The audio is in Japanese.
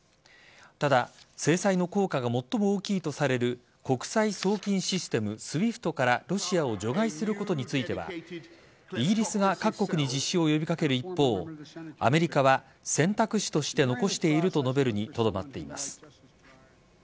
ただ制裁の効果が最も大きいとされる国際送金システムＳＷＩＦＴからロシアを除外することについてはイギリスが各国に実施を呼び掛ける一方アメリカは選択肢として残していると述べるにとどまっています。